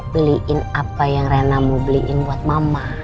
beliin apa yang rena mau beliin buat mama